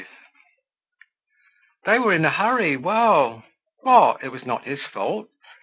They were in a hurry, well! What? It was not his fault.